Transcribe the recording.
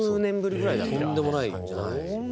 とんでもない感じなんですね。